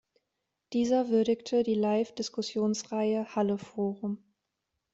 Dieser würdigte die Live-Diskussionreihe "Halle-Forum.